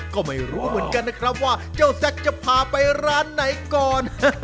ก็ไม่รู้เหมือนกันนะครับว่าเจ้าแซคจะพาไปร้านไหนก่อน